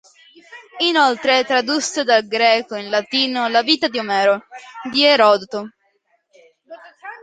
Inoltre tradusse dal greco in latino la "Vita di Omero" di Erodoto.